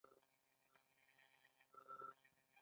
بشري منابع هم په دې کې شامل دي.